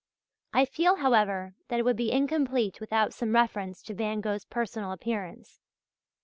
I feel, however, that it would be incomplete without some reference to Van Gogh's personal appearance.